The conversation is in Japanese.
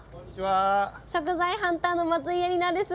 食材ハンターの松井絵里奈です。